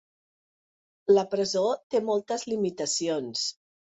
La presó té moltes limitacions.